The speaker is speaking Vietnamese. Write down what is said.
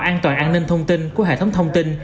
an toàn an ninh thông tin của hệ thống thông tin